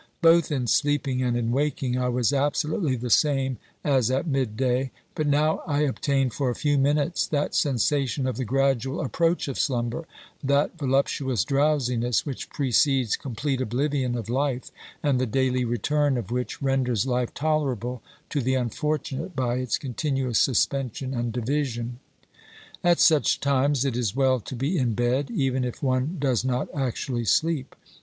Both in sleeping and in waking I was absolutely the same as at mid day, but now I obtain for a few minutes that sensation of the gradual approach of slumber, that voluptuous drowsiness which precedes complete oblivion of life and the daily return of which renders life tolerable to the unfortunate by its continuous suspension and division. At such times it is well to be in bed, even if one does not actually sleep.